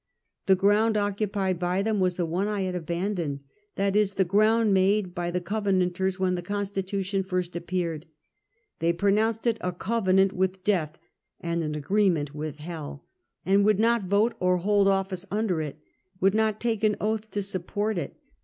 The ground occupied by them was the one I had abandoned, i. e., the ground made by the Covenanters when the Constitution first appeared. They pro nounced it " a covenant with death and an agreement with hell," and would not vote or hold office under it ; would not take an oath to support it.